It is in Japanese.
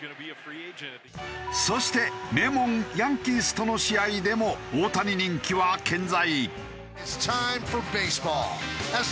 そして名門ヤンキースとの試合でも大谷人気は健在。